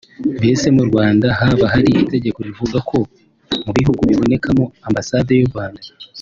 Mbese mu Rwanda haba hari itegeko rivuga ko mu bihugu bibonekamo ambasade y’u Rwanda